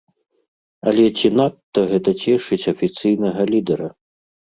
Але ці надта гэта цешыць афіцыйнага лідэра?